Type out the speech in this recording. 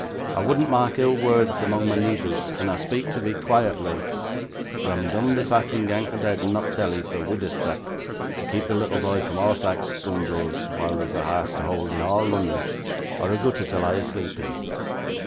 Ar wouldn't mak' ill words amang my neeburs, and ar speak tiv'ee quiet loike. But I'm dom'd if ar can gang to bed and not tellee, for weedur's sak', to keep the lattle boy from a' sike scoondrels while there's a harse to hoold in a' Lunnun, or a gootther to lie asleep in!"